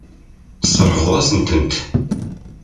Tesseṛɣeḍ-asent-tent.